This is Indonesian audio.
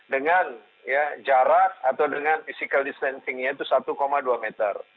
dengan jarak atau dengan physical distancingnya itu satu dua meter